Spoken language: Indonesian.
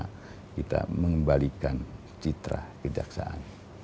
bagaimana kita mengembalikan citra kejaksaan